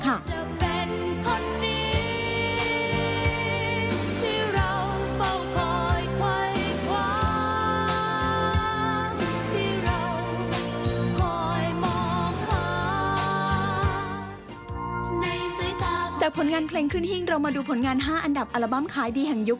จากผลงานเพลงขึ้นหิ้งเรามาดูผลงาน๕อัลบั้มขายดีแห่งยุค